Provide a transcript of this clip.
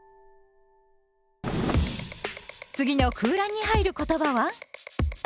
次の空欄に入る言葉は？